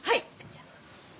じゃあ。